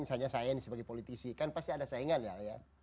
misalnya saya ini sebagai politisi kan pasti ada saingan ya